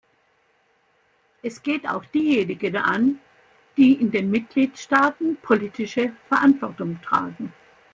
Es geht auch diejenigen an, die in den Mitgliedstaaten politische Verantwortung tragen.